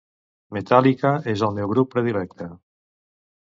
Metallica és el meu grup predilecte.